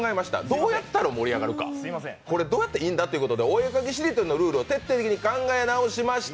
どうやったら盛り上がるか、これどうやったらいいのかとお絵描きしりとりのルールを徹底的に考え直しました。